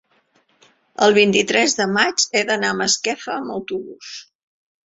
el vint-i-tres de maig he d'anar a Masquefa amb autobús.